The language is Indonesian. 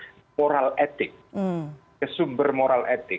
artinya quran yang difahami bukan semata mata sebagai sumber moral etik